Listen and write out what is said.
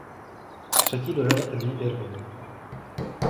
Třetí dojel Eddie Irvine.